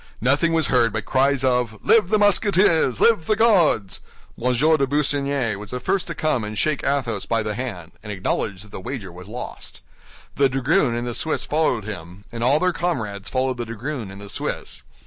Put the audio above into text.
Nothing was heard but cries of "Live the Musketeers! Live the Guards!" M. de Busigny was the first to come and shake Athos by the hand, and acknowledge that the wager was lost. The dragoon and the Swiss followed him, and all their comrades followed the dragoon and the Swiss.